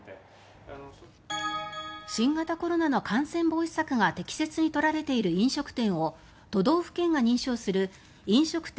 新型コロナの感染防止策が適切に取られている飲食店を都道府県が認証する飲食店